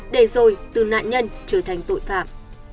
để rồi từ nạn nhân trở thành tội phạm